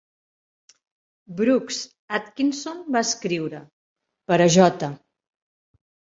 Brooks Atkinson va escriure: "Per a J.".